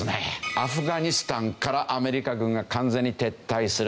アフガニスタンからアメリカ軍が完全に撤退する。